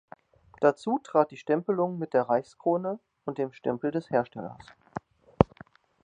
Dazu trat die Stempelung mit der Reichskrone und dem Stempel des Herstellers.